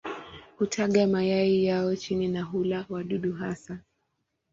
Hutaga mayai yao chini na hula wadudu hasa.